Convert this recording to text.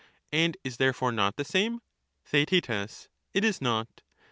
And is therefore not the same. Theaet, It is not.